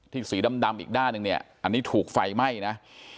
สีดำอีกด้านหนึ่งเนี่ยอันนี้ถูกไฟไหม้นะ